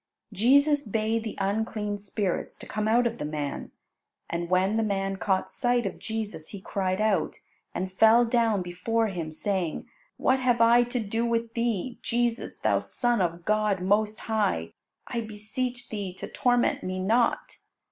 Jesus bade the unclean spirits to come out of the man. And when the man caught sight of Jesus, he cried out, and fell down before Him, saying, "What have I to do with Thee, Jesus, Thou Son of God most high? I beseech Thee to torment me not."